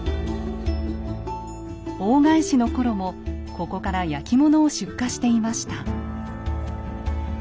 大返しの頃もここから焼き物を出荷していました。